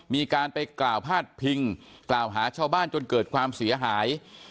มีการไปกล่าวพาดพิงกล่าวหาชาวบ้านจนเกิดความเสียหาย